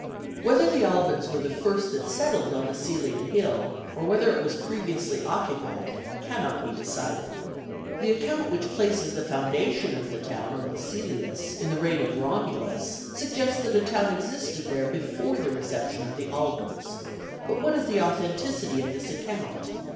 Whether the Albans were the first that settled on the Cælian hill, or whether it was previously occupied, cannot be decided. The account which places the foundation of the town on the Cælius in the reign of Romulus suggests that a town existed there before the reception of the Albans; but what is the authenticity of this account?